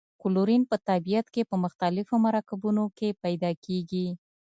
کلورین په طبیعت کې په مختلفو مرکبونو کې پیداکیږي.